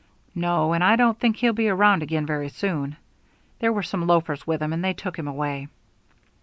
"No, and I don't think he'll be around again very soon. There were some loafers with him, and they took him away."